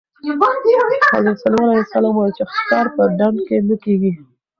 حضرت سلیمان علیه السلام وویل چې ښکار په ډنډ کې نه کېږي.